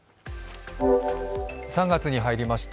３月に入りました。